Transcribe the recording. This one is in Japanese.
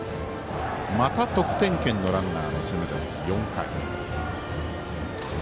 また得点圏にランナーを進めた４回。